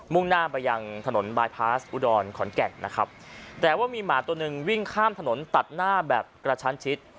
่งหน้าไปยังถนนบายพาสอุดรขอนแก่นนะครับแต่ว่ามีหมาตัวหนึ่งวิ่งข้ามถนนตัดหน้าแบบกระชั้นชิด